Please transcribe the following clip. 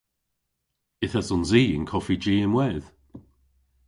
Yth esons i y'n koffiji ynwedh.